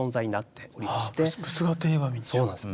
そうなんです。